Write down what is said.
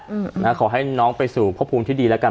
อืมนะฮะขอให้น้องไปสู่พระภูมิที่ดีแล้วกัน